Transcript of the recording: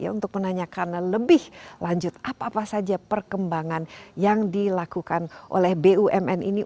untuk menanyakan lebih lanjut apa apa saja perkembangan yang dilakukan oleh bumn ini